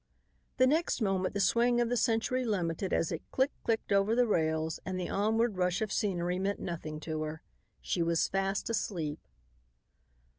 The next moment the swing of the Century Limited as it click clicked over the rails and the onward rush of scenery meant nothing to her. She was fast asleep.